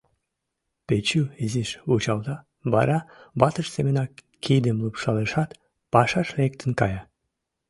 — Печу изиш вучалта, вара ватыж семынак кидым лупшалешат, пашаш лектын кая.